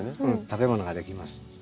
食べ物ができます。